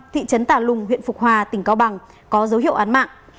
thị trấn tà lùng huyện phục hòa tỉnh cao bằng có dấu hiệu án mạng